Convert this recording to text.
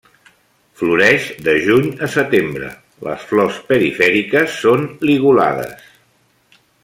Floreix de juny a setembre, les flors perifèriques són ligulades.